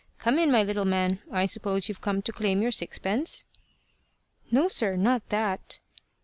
Come in, my little man. I suppose you've come to claim your sixpence?" "No, sir, not that."